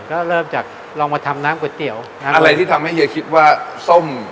ก็เริ่มจากลองมาทำน้ำก๋วยเตี๋ยวอะไรที่ทำให้เฮียคิดว่าส้ม